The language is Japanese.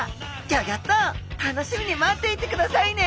ギョギョッと楽しみに待っていてくださいね！